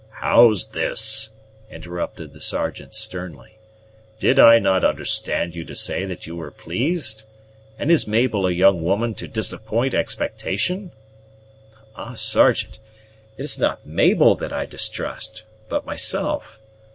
"How's this?" interrupted the Sergeant sternly; "did I not understand you to say that you were pleased? and is Mabel a young woman to disappoint expectation?" "Ah, Sergeant, it is not Mabel that I distrust, but myself.